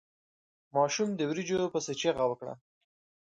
ماشوم د وريجو پسې چيغه کړه.